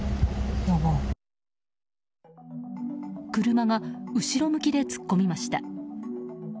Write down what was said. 車が後ろ向きで突っ込みました。